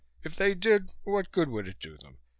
If they did, what good would it do them?